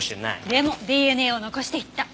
でもＤＮＡを残していった。